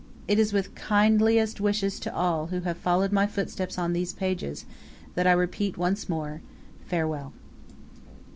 It is with kindliest wishes to all who have followed my footsteps on these pages that I repeat once more Farewell.